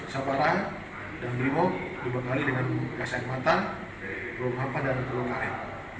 sabara dan grimok dibekali dengan gas air mata peluru hampa dan peluru karet